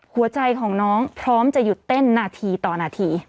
หัวใจของน้องพร้อมจะหยุดเต้นนาทีต่อนาที